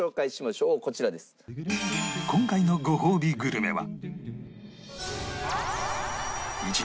今回のごほうびグルメは